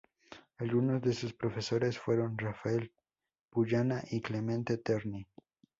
Algunos de sus profesores fueron Rafael Puyana y Clemente Terni.